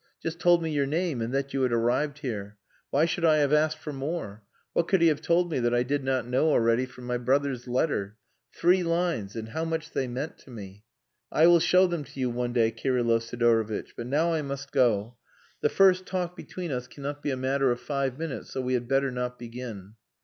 Just told me your name, and that you had arrived here. Why should I have asked for more? What could he have told me that I did not know already from my brother's letter? Three lines! And how much they meant to me! I will show them to you one day, Kirylo Sidorovitch. But now I must go. The first talk between us cannot be a matter of five minutes, so we had better not begin...."